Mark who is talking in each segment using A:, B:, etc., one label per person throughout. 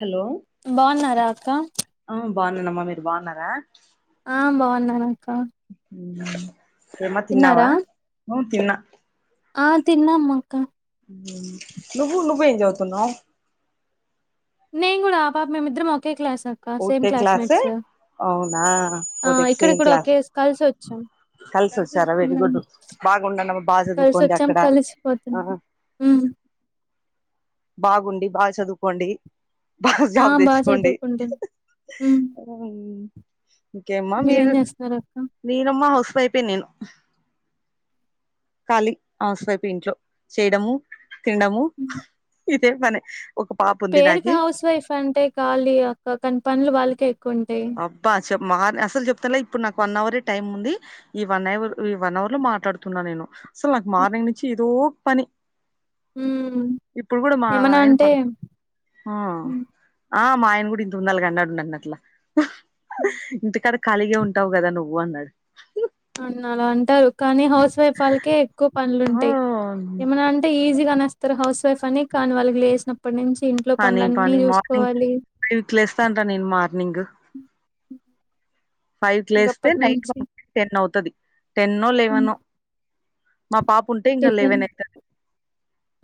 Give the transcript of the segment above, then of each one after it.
A: Hello
B: బాగున్నార అక్క
A: ఆ బాగున్ననమ్మా మీరు బాగున్నార
B: ఆ బాగున్నానక్క
A: ఉ ఏమ్మ తిన్నావ నువు తిన
B: ఆ తిన్నామ్ అక్క
A: ఉ నువ్వు నువ్ చదువ్తున్నావ్
B: నేన్ గుడ ఆ పాప మేమ్ ఇద్దరం ఒకే క్లాసు క సేమ్
A: ఒకటే క్లాసే
B: క్లాస్మేట్స్
A: అవునా
B: ఆ
A: ఒకటె
B: ఇక్కడ
A: సేమ్
B: కుడ
A: క్లాస్
B: ఒకే కలిసి ఒచ్చాం
A: కలిసి వచ్చారా
B: ఉ
A: వెరీ గుడ్ బాగుండండమ్మా బాగా
B: కలిసి
A: చదువుకోండి
B: ఒచ్చాం
A: అక్కడ
B: కలిసిపోతున్నం
A: ఆ
B: ఉ
A: బాగుండి బాగ చదువుకోండి బాగ
B: ఆ
A: జాబ్
B: బాగా
A: తెచ్చుకోండి
B: చదువుకుంటున్నా
A: ఉం ఇకేమ్మ
B: మీరేం
A: మీర్
B: చేస్తున్నారు అక్క
A: మీరమ్మ హౌస్ వైఫే నేను ఖాళీ హౌస్ వైఫ్ ఇంట్లొ చేయడము తినడము
B: ఉ
A: ఇదే పని ఒక పాప ఉంది
B: పేరుకు
A: నాకి
B: హౌస్ వైఫ్ అంతే కాలీగ అక్క కనీ పన్లు వాళ్ళకే ఎక్కువ ఉంటయి
A: అబ్బా చె మార్ అసలు చెప్తలే ఇప్పుడు నాక్ వన్ అవరే టైం ఉంది ఈ వన్ అయర్ ఈ వన్ అవర్ లో మాట్లాడుతున్న నేను అసలు నాక్ మార్నింగ్ నుంచి ఏదో పని
B: ఉమ్,
A: ఇప్పుడు గుడ మా
B: ఏమన్నా
A: ఆయ్న
B: అంటే
A: పక్
B: ఉమ్,
A: ఆ మా ఆయన గుడ ఇంత ఉండాలిగండనిగనీ అట్ల ఇంటికాడ కాలిగే ఉంటవ్ గద నువ్వు అన్నడు
B: అన్నార అంట కానీ హౌస్ వైఫ్ వాళ్కే ఎక్కువ పన్లు
A: ఆ
B: ఉంటయ్ ఏమనంట్ అంటే ఈజీ గనేస్తరు హౌస్ వైఫ్ అని కానీ వాల్కి లేస్నప్పటి నుంచి ఇంట్లో పన్లన్నీ చూసుకోవాలి
A: ఫైవ్కి లేస్తానుర నేను మార్నింగ్ ఫైవ్క్ లేస్తే
B: ఇంకప్పటి
A: నైట్
B: నుంచి
A: టెన్ అవుతది టెన్నో
B: హ్మ్.
A: లెవెనొ మా పాప ఉంటే ఇంగ లేవన్ అయ్త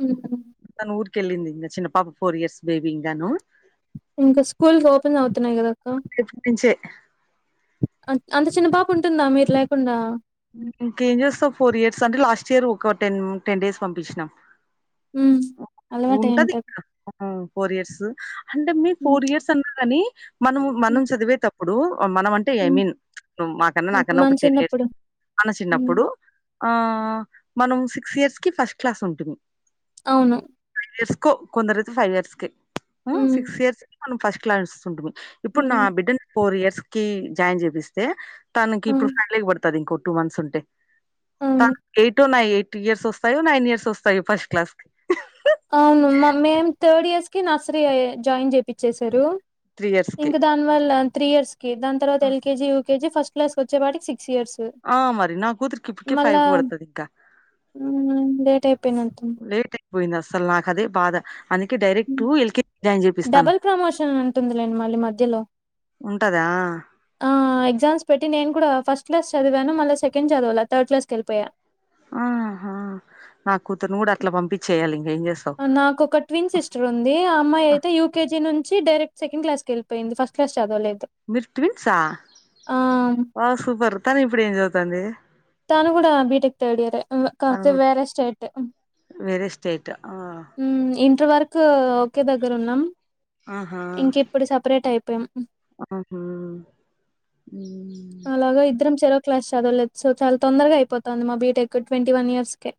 B: ఉహు
A: తను ఊరి కెళ్లిందింగ చిన్న పాప ఫోర్ ఇయర్స్ బేబి ఇంగాను
B: ఇంక స్కూల్స్ ఓపెన్ అవుతున్నాయ్ కదక్క
A: రేపట్నుంచే
B: అంట్ అంత చిన్న పాప ఉంటుంద మీరు లేకుండా
A: ఇంకేం చేస్తవు ఫోర్ ఇయర్స్ అంటే లాస్ట్ ఇయర్ ఒక టెన్ టెన్ డేస్ పంపించిన
B: ఉ అలవాటు [unintelligible]
A: ఔ ఫోర్ ఇయర్స్ అంటే మీ ఫోర్ ఇయర్స్ అన్నా గాని మనము మనం చదివే టప్ ఇప్పుడు మనం అంటే ఐ మీన్ నువ్ మాకన్న నాకన్న
B: మన
A: ఒక టెన్
B: చిన్నప్పుడు
A: [unintelligible] మన
B: హ్మ్.
A: చిన్నప్పుడు ఆ మనం సిక్స్ ఇయర్స్ కి ఫస్ట్ క్లాస్ ఉంటిమి
B: అవును
A: ఫైవ్ ఇయర్స్కొ కొందరైతే ఫైవ్ ఇయర్స్కి
B: హ్మ్.
A: సిక్స్ ఇయర్స్కి మనం ఫస్ట్ క్లాస్ ఉంటిమి ఇప్పుడు నా
B: హ్మ్.
A: బిడ్డని ఫోర్ ఇయర్స్కి జాయిన్ చేపిస్తే తనకి
B: ఆ!
A: ఇప్పుడు [unintelligible] పడుతది ఇంకో టు మంత్స్ ఉంటె త
B: అవును
A: ఎయిట్ ఉన్నయ్ ఎయిట్ ఇయర్స్ ఒస్తాయో నైన్ ఇయర్స్ ఒస్తాయో ఫస్ట్ క్లాస్
B: అవును మ మేమ్ తర్డ్ ఇయర్స్ కి నర్సరీ జాయిన్ చేపిచ్చేసారు
A: త్రీ ఇయర్స్ కి
B: ఇంక దా వల్ల త్రీ ఇయర్స్ కి దాన్ తర్వత ఎల్కజి యూకేజీ ఫస్ట్ క్లాస్ ఒచ్చే పాటికి సిక్స్ ఇయర్స్
A: ఆ మరి న కుత్రికి ఇప్పుకి ఫైవ్ పడుతది ఇంక
B: ఉ లేట్ అయిపోయినట్టుంది
A: పోయింది అస్సల్ నాక్ అదె బాధ అందుకె డైరెక్టు ఎల్కె
B: డబల్ ప్రమోషన్ ఉంటుందిలేండి మళ్ళీ మధ్యలో
A: ఉంటద
B: ఆ ఎగ్జమ్స్ పెట్టి నేను కూడ ఫస్ట్ క్లాస్ చదివాను మళ్ళ సెకండ్ చద్వాలే థర్డ్ క్లాస్కేళ్ళిపోయా
A: ఆహా నా కూతుర్ని కూడ అట్లా పంపించేయాలి ఇంగేం చేస్తవ్
B: నాకు ఒక ట్విన్ సిస్టరుంది ఆ అమ్మయ్తే యూకేజీ నుంచి డైరెక్ట్ సెకండ్ క్లాస్కేళ్ళిపోయింది ఫస్ట్ క్లాస్ చద్వలేదు
A: మిరు ట్విన్స ఓ సూపర్ తను ఇప్పుడు ఏం చదువుతాంది
B: తాను కూడ బిటెక్ తర్డియర్
A: తను
B: కాప్తే
A: కూడా
B: వేర స్టేట్ ఉ
A: వేరే స్టేట్ ఆ
B: ఇంటర్ వర్కు ఓకే దగ్గరున్నాం
A: ఆహా
B: ఇంకిప్పుడు సపెరేట్ అయిపోయాం
A: ఆహా ఉ
B: ఆ ఇద్దరం సెరో క్లాస్ చదవలేదు చాల తొందర్గా అయితుంది మా బీటేక్ ట్వంటీ వన్ ఇయర్స్ స్కే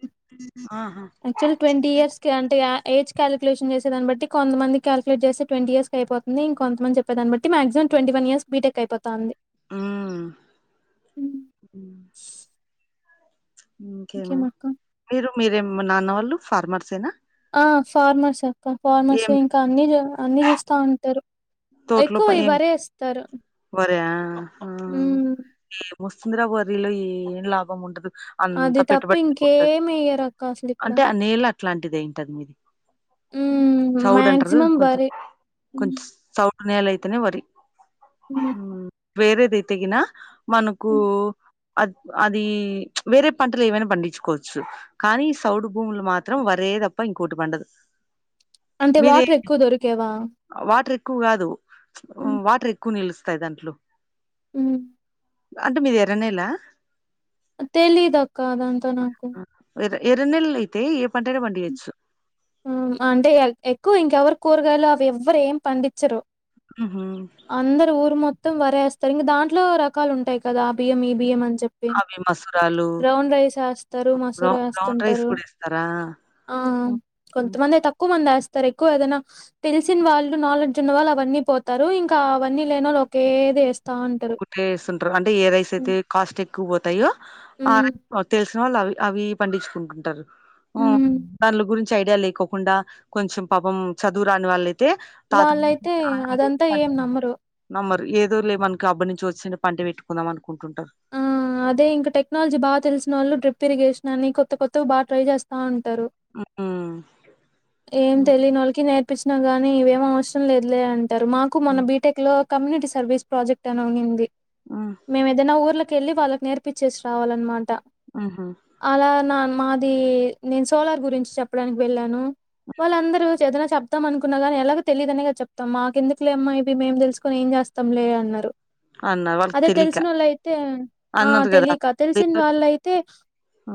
A: ఆహా
B: ఆక్చువల్ ట్వంటీ ఇయర్స్ అంటే ఏజ్ క్యలేషన్ చేసేదాని బట్టి కొంత మంది క్యాల్కేట్ చేేస్తే ట్వంటీ ఇయర్స్కే అయిపో నేను కోంతమంది చెపేదాని బట్టి మాక్సిమమ్ టంటీ వన్ ఇయర్స్కి బీటెక్ అయిపోతాంది హూ
A: ఉ ఇంకేమి
B: ఇంకేమక్క
A: మీరు మీరే నాన్న వాళ్ళు ఫార్మర్స్ ఏనా
B: ఆ ఫార్మర్స్ అక్క
A: ఏం
B: ఫార్మర్సే ఇంకా అన్ని అన్ని చూస్త ఉంటారు
A: తోట్లో
B: ఎక్కువ ఈ
A: [unintelligible] ఎం
B: వరే ఏస్తారు
A: వర
B: ఉమ్
A: ఏమోస్తుంద్ర వరిలో ఏం లాభం ఉండదు అంత
B: అది తప్ప
A: పెట్టుబడి [unintelligible]
B: ఇంకేమి ఎయ్యరు అక్క అసలు ఇక్కడ
A: అంటే ఆ నీల అట్లాంటిదేంటంనేది
B: ఉమ్
A: పతోడు అంటారు జూడు
B: మాక్సిమం
A: కొంచెం
B: వరే ఉమ్,
A: కొంచం నేలైతేనే వరి
B: ఉ
A: వేరేదైతేగిన మనకు అది అది వేరే పంటలు ఏవైన పండిచుకోవచ్చు కానీ ఈ సౌడు భూములు మాత్రం వరే తప్ప ఇంకోటి పండదు
B: అంటే
A: మీది
B: వాటర్ ఎక్కువ దొరికేవా
A: వాటర్ ఎక్కువ కాదు వాటర్ ఎక్కువ నిలుస్తాయి దాంట్లో
B: ఉ
A: అంటే మీది ఎర్రనేల
B: తెలిదక్క అదంత నాకు
A: ఎర్ ఎర్ర నెల్ లైతే ఏ పంటైనా పండియొచ్చు
B: ఆ అంటే ఎక్వా ఇంకెవరు కూరగాయలు అవి ఎవ్వరెం పండించరు
A: ఉహా
B: అందరూ ఊరు మొత్తం వరేస్తారు ఇంగా దాంట్లో రకాలు ఉంటాయి కదా ఆ బియ్యం ఈ బియ్యం అని చెప్పి
A: అవి మసూరాలు,
B: బ్రౌన్ రైస్ ఎస్తారు
A: బ్రౌ
B: మసూరా
A: బ్రౌన్ రైస్
B: ఏస్తుంటారు
A: కూడా ఏస్తారా?
B: ఆ
A: హ్మ్. హ్మ్.
B: కొంతమందే తక్కువ మంది ఎస్తారు ఎక్కువ ఏదైనా తెలిసిన వాళ్ళు నాలెడ్జ్ ఉన్న వాళ్ళు అవన్నీ పోతారు ఇంకా అవన్నీ లేనోళ్ళు ఒకే ది ఎస్తా ఉంటారు
A: టేస్తుంటారు అంటే ఏ రైస్ అయితే కాస్ట్ ఎక్కువొతాయో ఆ
B: హ్మ్.
A: రైస్ తెలు వాళ్ళు అవి అవి పండించుకుంటుంటారు ఉ
B: హ్మ్.
A: వళ్ళు గు చి ఐడియా లేకోకుండా కొంచెం పాపం చదువు రాని వాళ్ళైతే తాతు
B: వాళ్ళైతే అదంతా ఏం నమ్మరు.
A: నమ్మరు ఏదో లే మన్కి అబ్బా నుంచి ఒచ్చిన పంటె వేట్టుకుంటాం అనుకుంటుంటారు
B: ఆ అదే ఇంకా టెక్నాలజీ బా తెల్సినోళ్ళు డ్రిప్ తిరిగేషనా అని కొత్త కొత్త బా ట్రై జేస్తా ఉంట తరు
A: హ్మ్.
B: ఏం
A: హ్మ్.
B: తెలినోళ్కి నే ఇప్పించినా గానీ ఇవేం అవ్సరం లేదులే అంటారు మాకు మొన్న
A: హ్మ్.
B: బీటెక్లో కమ్యూనిటీ సర్వీస్ ప్రాజెక్ట్ అని ఉన్నింది
A: ఆ
B: మేమేదైనా ఊర్ల కేళ్ళి వాళ్ళకి నేర్పిచ్చేసి రావాలన్నమాట
A: ఆహా
B: అలా నా మాదీ నేను సోలార్ గురించి చెప్పడానికి వెళ్ళాను వాళ్ళ అందరూ చేతున చెబ్ చెప్తాం అనుకున్నా గాని ఎలాగు తెలిదు అనేగా చెప్తాం మాకెందుకులేమ్మా ఇవి మేము తెల్సుకోని ఏం జెస్తాం లే అన్నారు
A: అన్నారు వాళ్ళకి
B: అదే
A: తెలీక.
B: తెల్సీనోళ్ళు అయితే ఆ
A: అన్నారు
B: తెలీక
A: గదా!
B: తెల్సినా వాళ్ళయితే
A: ఆ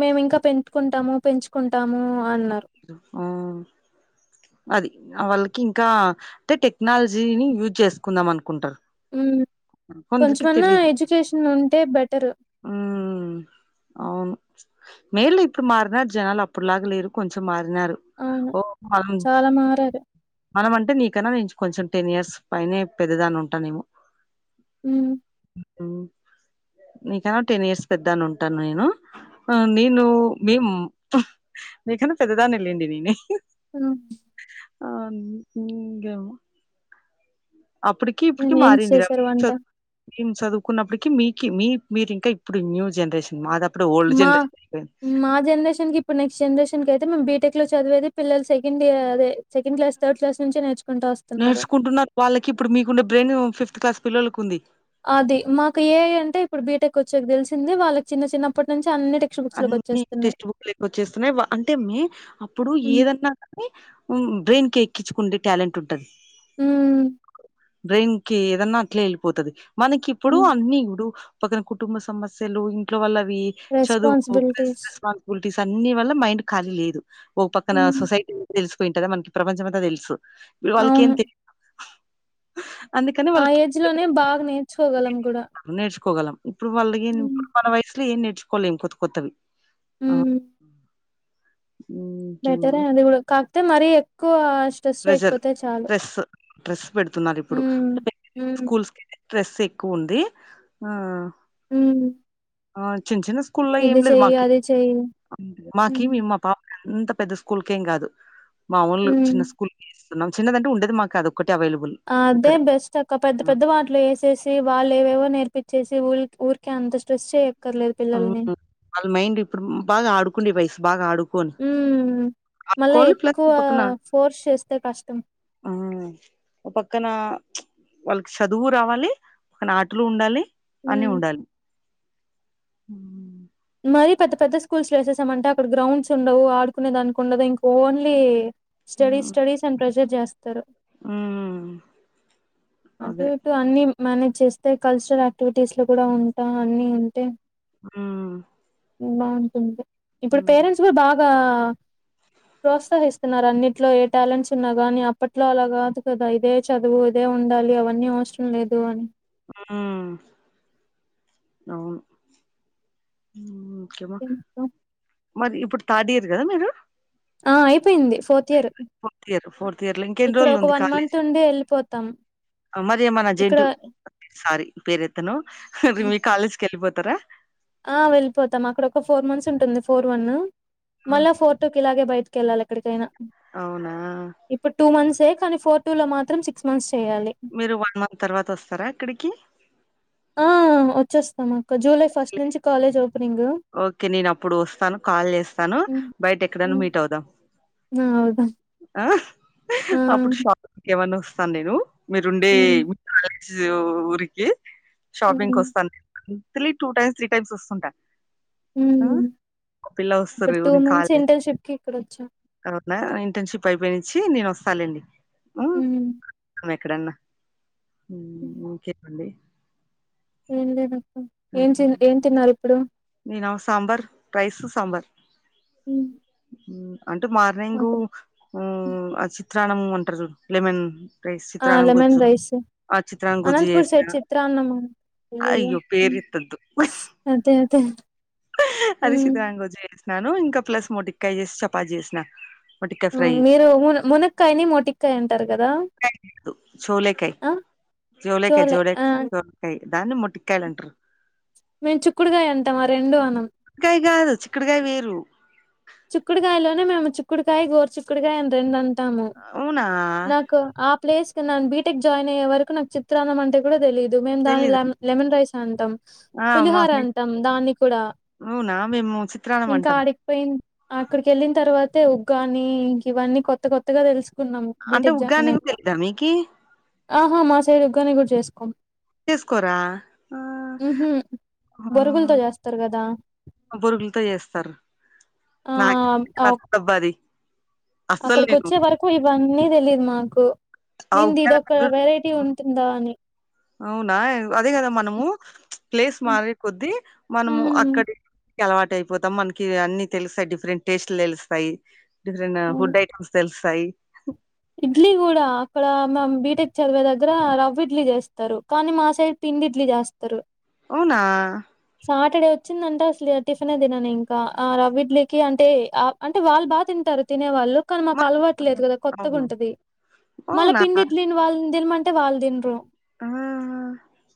B: మేము ఇంకా పెంటుకుంటాము పెంచుకుంటాము అన్నారు
A: ఆ అది ఆ వాళ్ళకి ఇంకా అంటే టెక్నాలజీని యూజ్ చేస్కుందాం అనుకుంటారు
B: ఉమ్
A: కొందరికి
B: కొంచెమన్నా ఎడ్యుకేషన్ ఉంటే బెటరు
A: ఆ అవును మేల్లు ఇప్పుడు మారినారు జనాలు అప్పుడులాగా లేరు కొంచెం మారినారు
B: అవును
A: ఓ అవు
B: చాలా మారారు.
A: మనం అంటే నీకన్నా నేను కొంచెం టెన్ ఇయర్స్ పైనే పెద్దదాని ఉంటానేమో
B: ఉమ్
A: ఉమ్ నీకనా టెన్ ఇయర్స్ పెద్ద అని ఉంటా నేను ఆ నేను మిం మీకన్నా పెద్దదాన్నేళ్లెండి నేన్
B: ఉ
A: అవును ఇంగ అప్పడికి ఇప్పడికి
B: ఏం
A: మారింది రా
B: చేశారు వంట?
A: త మేమ్ చదువుకున్నపిడికి మీకి మీ మీరి ఇంకా ఇప్పుడు న్యూ జనరేషన్ మాద ప్
B: మా మాది జన్రేషన్కి ఇప్పుడు నెక్స్ట్ జన్రేషన్కి అయితే మేమ్ బిటెక్ లో చదివేది పిల్లలు సెకండ్ ఇయర్ అదే సెండ్ క్లాస్ థడ్ క్లాస్ నుంచే నేర్చుకుంటా వా
A: నేర్చుకుంటున్నారు వాళ్ళకి ఇప్పుడు మీకున్న బ్రెయిను ఫిఫ్త్ క్లాస్ పిల్లలకి ఉంది
B: అది మాకు ఏ ఎ ఐ అంటే ఇప్పుడు బీటెక్ కొచ్చక దేల్సింది వాళ్ళకి చిన్న చిన్నప్పటి నుంచి అన్నిటి
A: అన్ని టెక్స్ట్ బుక్లు ఎక్కువచ్చేస్తున్నాయి వ అంటే మే అప్పుడు
B: హ్మ్.
A: ఏదన్నా బ్రెయిన్ కి ఎక్కిచ్చుకుంటె టాలెంట్ ఉంటది
B: ఉమ్
A: బ్రెయిన్ కి ఏదన్నా అట్లే ఎళ్ళిపోతది మనకిప్పుడు
B: హ్మ్.
A: అన్ని ఇప్పుడు పక్కన కుటుంబ సమస్యలు ఇంట్లో వాల్లవి చదువు
B: రెస్పాన్సిబిలిటీస్.
A: స్పాన్సిబిలిటీస్ అన్ని వల్ల మైండ్ ఖాలీ లేదు ఒక పక్కన
B: హ్మ్.
A: సొసైటీ తెలిసిపోయింటదా మనకి ప్రపంచమంతా తెలుసు ఇగ వాళ్ళకేం
B: అవును.
A: తెలిదు
B: ఆ ఏజ్ లోనే బాగ నేర్చుకోగలం గూడ
A: నేర్చుకోగలం ఇప్పుడు వాళ్ళ ఏం ఇప్పుడు మన వయసులో ఏం నేర్చుకోలేం కొత్త కొత్తవి
B: ఉమ్
A: ఊమ్
B: బెటరే అది గూడ కాక్పొతే మరీ ఎక్కువ స్ట్రెస్ చేయకపోతే చాలు
A: ట్రెస్ పెడుతున్నారిప్పుడు
B: హ్మ్ హ్మ్
A: స్కూల్స్ కైతే ట్రెస్ ఎక్కువుంది ఆ
B: ఉమ్
A: ఆ చిన్ చిన్న స్
B: ఇది చెయ్ అది చెయ్
A: మాకీమి మా పాప అంత పెద్ద స్కూల్కేం గాదు మా ఊన్లు
B: హ్మ్.
A: చిన్న స్కూల్ న్నాం చిన్నదంటే ఉండేదే మాకదొక్కటె అవైలబుల్
B: అదే
A: ఇక్కడ
B: బెస్ చక్క పెద్ద పెద్ద వాటిలో ఏసేసి వాళ్ళేవేవో నేర్పిచ్చేసి ఊల్ ఊరికే అంత స్ట్రెస్ చేయ క్కర్లేదు పిల్లల్ని
A: వాళ్ళ మైండ్ ఇప్పుడు మ్ బాగా ఆడుకోండే వయసు బాగా ఆడుకోని
B: ఊమ్ మళ్ళ
A: ఆడుకోవాలి ప్లస్
B: ఎక్కువా
A: పక్కన
B: ఫోర్స్ చేస్తే కష్టం
A: ఆ ఒ పక్కనా వాళ్ళకి చదువూ రావాలి కొన్నాటలూ ఉండాలి అన్నీ
B: హ్మ్
A: ఉండాలి
B: మరీ పెద్ద పెద్ద స్కూల్స్ లో ఏసేసామంటే అక్కడ గ్రౌండ్స్ ఉండవు, ఆడుకునే దానికి ఉండదు ఇంక ఓన్లీ స్టడీస్ స్టడీస్ అని ప్రెజర్ జాస్తరు
A: ఉమ్ మ్
B: అటు ఇటు అన్ని మానేజ్ చేస్తే కల్చరల్ యాక్టివిటీస్ లో కూడ ఉంటా అన్ని ఉంటే
A: ఉమ్
B: ఇప్పుడు పేరెంట్స్ కూడా బాగా ప్రోత్సహిస్తున్నారన్నిట్లో ఏ టాలెంట్స్ ఉన్నా గానీ అప్పట్లో అలా గాదు కదా ఇదే చదువు ఇదే ఉన్ ఉండాలి అవన్నీ అవసరం లేదు అని
A: ఉమ్ అవును ఇంకేమో మరి ఇప్పుడు థర్డ్ ఇయర్ గదా మీరు
B: ఆ అయిపోయింది fourth year
A: fourth year fourth year లో ఇంకెన్ని
B: ఇక్కడ
A: రోజులు
B: ఒక
A: ఉంది
B: వన్ మంత్
A: కాలేజ్
B: ఉండి ఎళ్ళిపోతాం
A: మరి ఏమన జెంట్యు సారీ పేరెత్తను మీ కాలేజ్కి ఎళ్ళిపోతరా
B: ఆ వెళ్ళిపోతాం అక్కడ ఒక ఫోర్ మంత్స్ ఉంటుంది ఫోర్ వన్న్ మళ్ళా ఫోర్ టు కిలాగే బయటికెళ్ళాలెక్కడికైనా
A: అవునా
B: ఇప్పుడు టూ మంత్సే కనీ ఫోర్ టూ లో మాత్రం సిక్స్ మంత్స్ చేయాలి
A: మీరు వన్ మంత్ తర్వాత వస్తరా ఇక్కడికి
B: ఆ వచ్చేస్తాం అక్క జూలై ఫస్ట్ నుంచి కాలేజ్ ఓపెనింగ్
A: ఓకే నేను అప్పుడు వస్తాను కాల్ చేస్తాను బయట ఎక్కడనా మీట్ అవుదాం
B: హా అవుదాం
A: ఆ
B: ఆ!
A: అప్పుడు షాప్కి ఏమన్నా వస్తాను నేను మీరుండే
B: హ్మ్
A: ఆజు ఊరికి షాపింగ్
B: హ్మ్
A: వస్తాను actually two times three times వస్తుంటా హ
B: హ్మ్
A: ఒ పిల్లా వస్తారు
B: ఇప్పుడు
A: ఈ వినింగ్ కాల్
B: మంత్స్
A: చేయ్
B: ఇంటర్న్‌షిప్‌కి ఇక్కడొచ్చా.
A: తర్వాతన ఇంటర్న్షిప్ అయిపోయి నుంచి నేను వస్తాలేండి
B: హ్మ్.
A: ఇక్కడన్నా ఉమ్ ఒకే అండి
B: ఏం లే దక్క ఏం చె ఏం తిన్నారు ఇప్పుడు
A: నేనా సాంబార్ రైస్ సాంబర్
B: ఉ
A: అంటు మార్నింగు ఆ చిత్రాన్నం అంటర్ చూడు లెమన్ రైస్
B: ఆ!
A: చిత్రాంగ
B: లెమన్
A: గుజ్జు
B: రైస్.
A: ఆ చిత్రాంగ గుజ్జు
B: అనంతపూర్
A: చేసిన
B: సైడ్ చిత్రాన్నమా? అయ్యయ్యో!
A: అయ్యొ
B: హ్మ్.
A: ఏరిత్తాదు హు
B: అదే అదే
A: అది
B: హ్మ్.
A: సితరాంగోజు చేసినాను ఇంకా ప్లస్ మొటికాయ చేసి చపాతి చేసినా
B: మీరు ము మునక్కాయని మోటికాయ అంటారు కదా
A: చోలేకాయ్
B: ఆ!
A: చోలేకై
B: చోలే
A: జోలేక
B: ఆ!
A: చో కాయ్ దాన్ని మొటిక్కయలు అంటారు
B: మేము చుక్కుడుగాయ అంటాం ఆ రెండు అనం
A: కాయ్ కాదు చిక్కుడికాయ వేరు
B: చిక్కుడుకాయ లోనే మేము చిక్కుడుకాయ గోరుచిక్కుడుకాయ అని రెండు అంటాము
A: అవునా
B: నాకు ఆ ప్లేస్ కి నా బీటెక్ జాయిన్ అయ్యే వరకు నాకు చిత్రాన్నం అంటే కూడా తెలీదు మేము దాని
A: తెలీదా
B: లెమన్ రైస్ అంటాం
A: ఆ మా
B: పులిహోర
A: సైడ్
B: అంటాం దాన్ని కూడా
A: అవునా మేము చిత్రాన్నం
B: ఇంకా
A: అంటాం
B: ఆడ పోయి అక్కడికి వెళ్ళిన తర్వాతే ఉగ్గాని ఇం ఇవన్నీ కొత్త కొత్తగా తెలుసుకున్నాం
A: అంటే
B: బీటెక్ జాయిన్
A: ఉగ్గాని కూడా
B: అయినాక
A: తెలీదా మీకి
B: ఆహా మా ఉగ్గాని కూడా చేసుకోమ్
A: చేసుకోరా ఆ
B: ఊహు బరుగులుతో చేస్తారు కదా
A: బురుగులతో చేస్తారు
B: ఆ!
A: నా డబ్బది
B: అక్కడికి వచ్చే వరకు ఇవన్నీ తెలీయదు మాకు
A: ఆ
B: ఏంది
A: ఉగ్గాని
B: ఇదొక్క వెరైటీ ఇది ఉంటుందా అని
A: అవునా అదే కదా మనము ప్లేస్ మారే కొద్దీ మనము
B: హ్మ్.
A: అక్కడి అలవాటు అయిపోతాం మనకి అన్ని తెలుస్తాయి డిఫరెంట్ టేస్ట్లు తెలుస్తాయి డిఫరెంట్
B: అవును.
A: ఫుడ్ ఐటమ్ తెలుస్తాయి.
B: ఇడ్లీ కూడ అక్కడ మామ్ బీటెక్ చదివే దగ్గర రవ్వ ఇడ్లీ చేస్తారు కానీ మా సైడ్ పిండి ఇడ్లీ చేస్ తరు
A: అవునా
B: సాటర్డే వచ్చిందంటే అసలు టిఫినె తినను ఇంకా ఆ రవ్వ ఇడ్లీకి అంటే ఆ అంటే వాళ్ళు బా తింటారు తినే వాళ్ళు కాని మాకు
A: మరి
B: అలవాట్లేదు కదా కొత్తగా
A: అవును.
B: ఉంటది మళ్ళ
A: అవునా!
B: పిండి ఇడ్లీ ని వాళ్ళన్ టె వాళ్ తినరు
A: అహా హ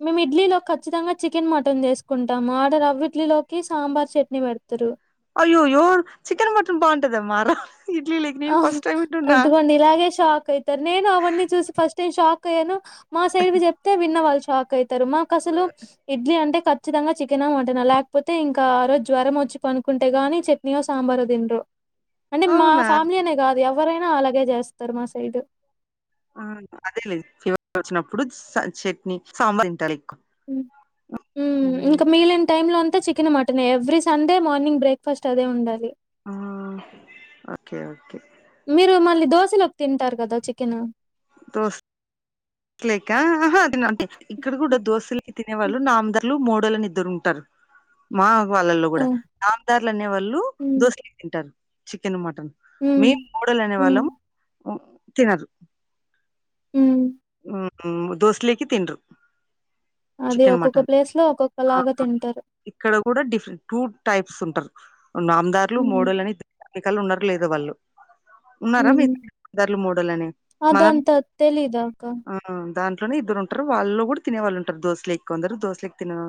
B: మేము ఇడ్లీలో ఖచ్చితంగ చికెన్ మటన్ చేసుకుంటాము ఆడ రవ్వ ఇడ్లీలోకి సాంబర్ చట్నీ పెడతారు
A: అయ్యోయో చికెన్ మటన్ బాగుంటదమ్ మార ఇడ్లీ
B: ఆ అంత మంది ఇలాగే షాక్ అయి నేను అవన్నీ చూసి ఫస్ట్ టైం షాక్ అయ్యాను మా సైడ్ చెప్తే విన్న వాళ్ళు షాక్ అయితరు మా కసలు ఇడ్లీ అంటే ఖచ్చితంగా చికెన్ అ మటన్ అ లేకపోతే ఇంకా ఆ రోజు జ్వరం వచ్చి పనుకుంటే గాని చెప్ప నెయ్యి సాంబారు తినరు అంటే మా
A: అవునా!
B: ఫ్యామిలీ అనే కాదు ఎవరైనా అలాగే చేస్తారు మా సైడ్
A: ఆ అదేలే ఫీవర్ వచ్చినప్పుడు చట్నీ సాంబార్ తింటా ఎక్కువ
B: ఉమ్ ఇంకా మిగిలిన టైమ్ లో అంతా chicken mutton every Sunday morning breakfast అదే ఉండాలి
A: ఆ ఓకే ఓకే
B: మీరు మళ్ళీ దోశలోకి తింటారు కదా చికెన్
A: దోస్ లేక ఆహా అది నాకు ఇక్కడ కూడా దోసల్ తినే వాళ్ళు నామదారులు మోడోల్లు అని ఇద్దరు ఉంటారు మా వాళ్ళల్లో
B: ఓ
A: కూడా నామదారులు అనే వాళ్ళు
B: మ్మ్
A: దోస లోకి తింటారు చికెన్ మటన్
B: మ్మ్
A: మేము మోడల్ అనే వాళ్ళం తినరు
B: హు
A: ఉహు దోసలేకి తిన్రూ
B: అది ఒక్కొక్క ప్లేస్ లో ఒక్కొక్క
A: ఆ!
B: లాగా తింటారు
A: ఇక్కడ కూడా డిఫరెంట్ టూ టైప్స్ ఉంటారు నామదారులు ముడల్ అని మనకళ్ళ ఉన్నారు లేదో వాళ్ళు ఉన్నారా [inaudible] దార్లు మూడోల్లని మనం
B: తెలీదా అక్క
A: ఆ దాంట్లోనే ఇద్దరు ఉంటారు వాళ్ళ కూడా తినేళ్ళుంటారు దోశలే ఎక్కు అందరు దోశలేకి తిన